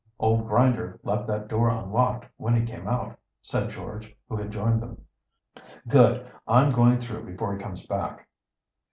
"Old Grinder left that door unlocked when he came out," said George, who had joined them. "Good! I'm going through before he comes back."